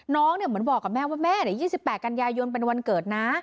เหมือนบอกกับแม่ว่าแม่๒๘กันยายนเป็นวันเกิดนะ